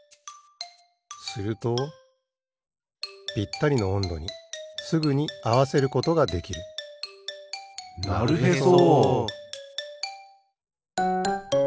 するとぴったりのおんどにすぐにあわせることができるなるへそ！